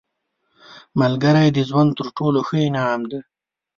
ملګری د ژوند تر ټولو ښه انعام دی